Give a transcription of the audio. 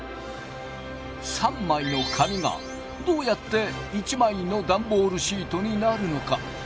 ３枚の紙がどうやって１枚のダンボールシートになるのか。